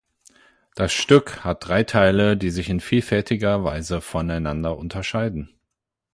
Das Stück hat drei Teile, die sich in vielfältiger Weise voneinander unterscheiden.